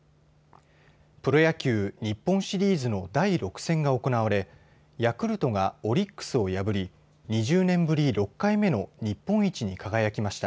プロ野球、日本シリーズの第６戦が行われヤクルトがオリックスを破り２０年ぶり６回目の日本一に輝きました。